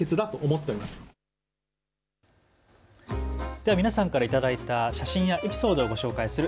では皆さんから頂いた写真やエピソードを紹介する＃